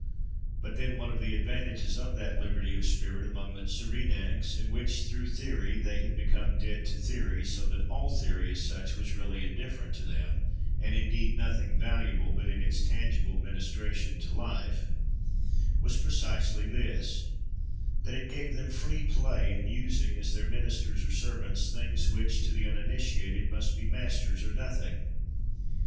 But then, one of the advantages of that liberty of spirit among the Cyrenaics (in which, through theory, they had become dead to theory, so that all theory, as such, was really indifferent to them, and indeed nothing valuable but in its tangible ministration to life) was precisely this, that it gave them free play in using as their ministers or servants, things which, to the uninitiated, must be masters or nothing.